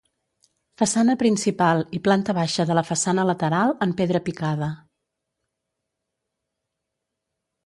Façana principal i planta baixa de la façana lateral en pedra picada.